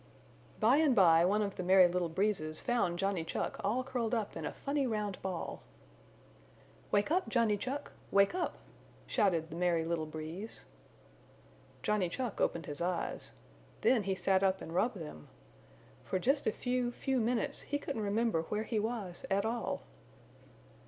By and by one of the Merry Little Breezes found Johnny Chuck all curled up in a funny round ball. "Wake up Johnny Chuck! Wake up!" shouted the Merry Little Breeze. Johnny Chuck opened his eyes. Then he sat up and rubbed them. For just a few, few minutes he couldn't remember where he was at all.